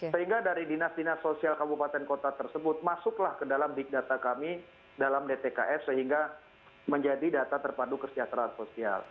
sehingga dari dinas dinas sosial kabupaten kota tersebut masuklah ke dalam big data kami dalam dtks sehingga menjadi data terpadu kesejahteraan sosial